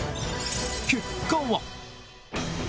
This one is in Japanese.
結果は。